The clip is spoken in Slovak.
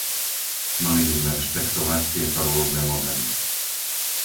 Mali by sme rešpektovať tieto rôzne modely.